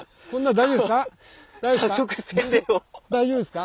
大丈夫ですか？